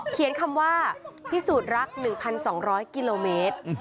เขียนคำว่าพิสูจน์รัก๑๒๐๐กิโลเมตร